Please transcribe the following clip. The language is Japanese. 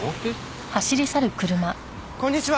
こんにちは！